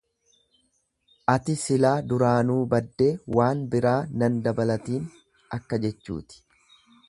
Ati silaa duraanuu baddee waan biraa nan dabalatiin akka jechuuti.